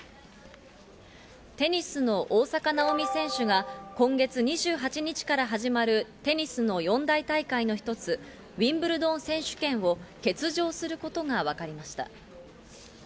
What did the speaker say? テニスの大坂なおみ選手が今月２８日から始まるテニスの四大大会の一つ、ウィンブルドン選手権を欠場することがわかりました。